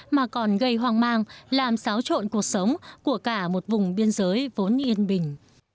mà còn gây hoang mang làm xáo trộn cuộc sống của cả một vùng biên giới vốn yên bình